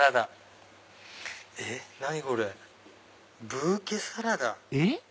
「ブーケサラダ」。